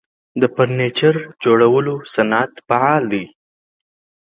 د فرنیچر جوړولو صنعت فعال دی